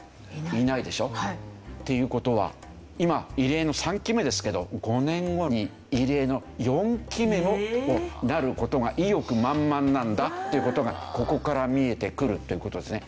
っていう事は今異例の３期目ですけど５年後に異例の４期目をなる事が意欲満々なんだっていう事がここから見えてくるという事ですね。